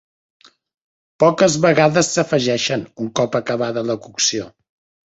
Poques vegades s'afegeixen un cop acabada la cocció.